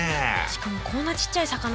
しかもこんなちっちゃい魚ですしね。